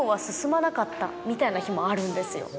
みたいな日もあるんですよ。